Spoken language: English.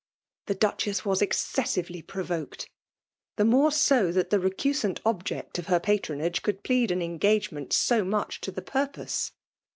The Duchess was excessively provoked ; the more so that the recusant object of her patronage could plead an engagement so much to the purpose.